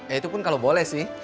ya itu pun kalau boleh sih